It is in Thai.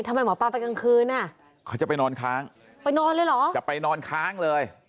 ทำไมหมอปลาไปกลางคืนอ่ะเขาจะไปนอนค้างไปนอนเลยเหรอจะไปนอนค้างเลย